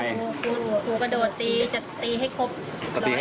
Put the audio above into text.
ยัง